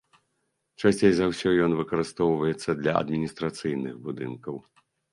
Часцей за ўсё ён выкарыстоўваецца для адміністрацыйных будынкаў.